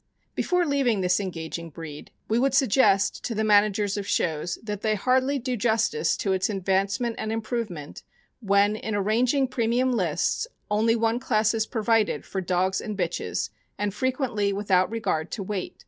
Before leaving this engaging breed, we would suggest to the managers of shows that they hardly do justice to its advancement and improvement when, in arranging pre mium lists, only one class is provided for dogs and bitches, and frequently without regard to weight.